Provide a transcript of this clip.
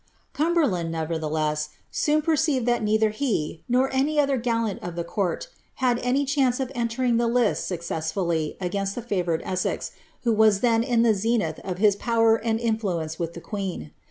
^' Cumberland, nevertheless, soon perceived that neither he, nor any other gallant of the court, had any chance of entering the lists success My against the favoured Essex, who was then in the zenith of his Cer and influence with the queen.